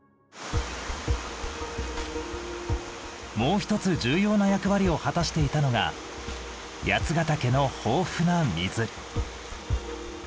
もう一つ重要な役割を果たしていたのが八ヶ岳の豊富な水。